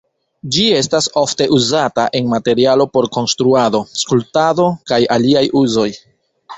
Ĝi estas ofte uzata en materialo por konstruado, skulptado, kaj aliaj uzoj.